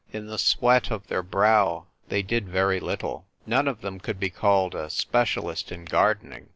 In the sweat of their brow they did very little. None of them could be called a specialist in gardening.